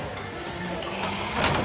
すげえ。